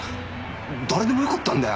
誰でもよかったんだよ。